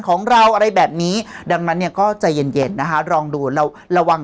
ของเราอะไรแบบนี้ดังนั้นเนี่ยก็ใจเย็นเย็นนะคะลองดูเราระวัง